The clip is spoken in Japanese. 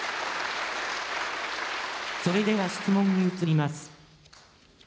それでは質問に移ります。